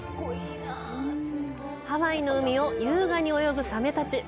ハワイの海を優雅に泳ぐサメたち。